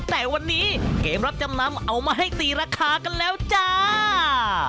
แต่วันนี้เกมรับจำนำเอามาให้ตีราคากันแล้วจ้า